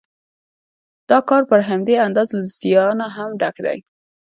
دا کار پر همدې اندازه له زیانه هم ډک دی